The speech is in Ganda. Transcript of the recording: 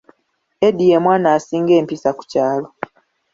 Eddy ye mwana asinga empisa ku kyalo.